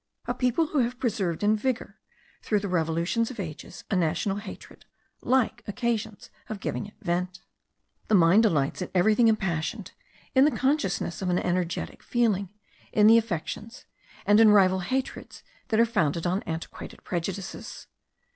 A people who have preserved in vigour, through the revolutions of ages, a national hatred, like occasions of giving it vent. The mind delights in everything impassioned, in the consciousness of an energetic feeling, in the affections, and in rival hatreds that are founded on antiquated prejudices.